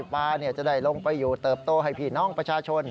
ปลาจะได้ลงไปอยู่เติบโตให้พี่น้องประชาชน